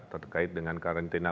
terkait dengan karantina